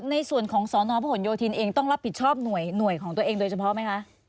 ในส่วนของสนพระหลโยธินเองต้องรับผิดชอบหน่วยของตัวเองโดยเฉพาะไหมคะ